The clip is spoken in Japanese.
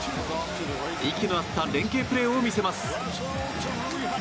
息の合った連係プレーを見せます。